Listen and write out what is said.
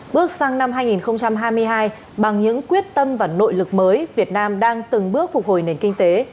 bước sang năm hai nghìn hai mươi hai bằng những quyết tâm và nội lực mới việt nam đang từng bước phục hồi nền kinh tế